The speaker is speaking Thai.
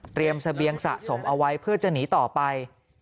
เสบียงสะสมเอาไว้เพื่อจะหนีต่อไป